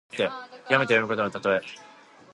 きわめて容易なことのたとえ。